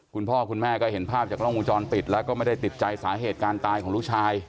คุณพ่อคุณแม่ก็เห็นภาพจากกล้องวงจรปิดแล้วก็ไม่ได้ติดใจสาเหตุการตายของลูกชาย